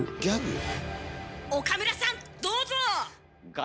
岡村さんどうぞ！